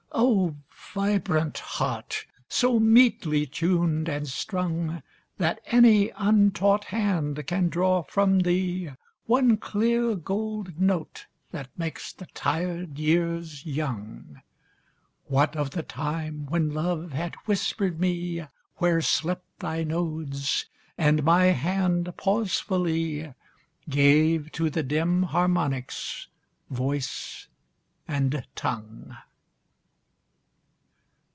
O vibrant heart! so metely tuned and strung That any untaught hand can draw from thee One clear gold note that makes the tired years young What of the time when Love had whispered me Where slept thy nodes, and my hand pausefully Gave to the dim harmonics voice and tongue?